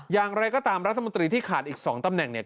อย่างไรก็ตามรัฐมนตรีที่ขาดอีก๒ตำแหน่งเนี่ย